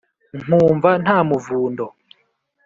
nkumva nta muvundo